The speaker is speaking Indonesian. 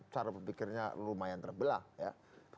cara berpikirnya lumayan terbelah ya